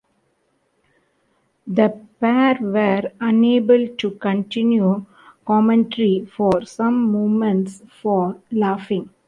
The pair were unable to continue commentary for some moments for laughing.